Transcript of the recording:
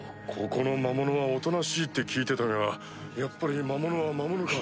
ここの魔物はおとなしいって聞いてたがやっぱり魔物は魔物か。